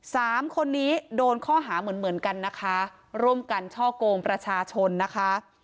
สามคนนี้โดนข้อหาเหมือนเหมือนกันนะคะร่วมกันช่อกงประชาชนนะคะ